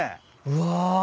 うわ。